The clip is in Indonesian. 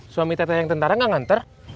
suami teteh yang tentara nggak nganter